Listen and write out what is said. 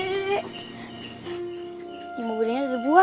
ini mobilnya ada buah